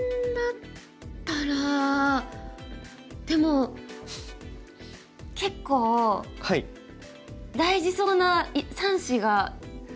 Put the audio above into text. でも結構大事そうな３子が。